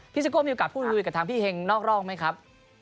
พี่สิโก้มีโอกาสพูดดูด้วยกับพี่เฮงนอกร่องไหมครับ